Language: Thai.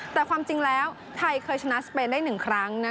แต่ความจริงแล้วไทยเคยชนะสเปนได้๑ครั้ง